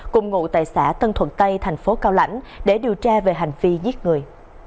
cùng ngụ tại xã tân thuận tây thành phố cao lãnh để điều tra về hành vi giết người